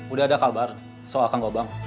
udah ada kabar soal kang gobang